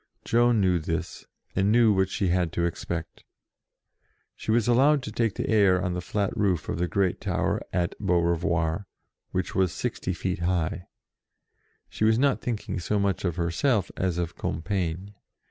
Joan knew this, and knew what she had to expect. She was allowed to take the air on the flat roof of the great tower at Beaurevoir, which was 60 feet high. She was not thinking so much of herself as of Compiegne.